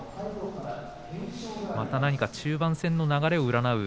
また何か中盤戦の流れを占う